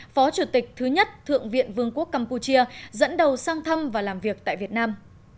phó chủ tịch thứ nhất thượng viện vương quốc campuchia dẫn đầu sang thăm và làm việc tại việt nam